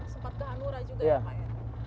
sempat ke hanura juga ya pak ya